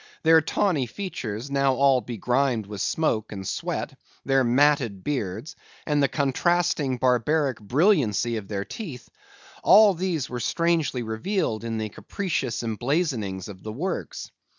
Their tawny features, now all begrimed with smoke and sweat, their matted beards, and the contrasting barbaric brilliancy of their teeth, all these were strangely revealed in the capricious emblazonings of the works.